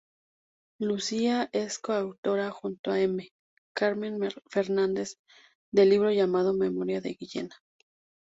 Lucia es coautora, junto a M. Carmen Fernández, del libro llamado "Memoria de Guillena.